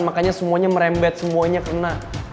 makanya semuanya merembet semuanya kena